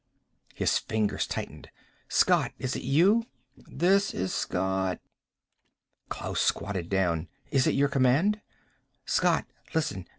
His fingers tightened. "Scott! Is it you?" "This is Scott." Klaus squatted down. "Is it your command?" "Scott, listen.